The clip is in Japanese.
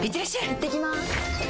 いってきます！